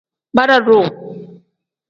Bara-duu.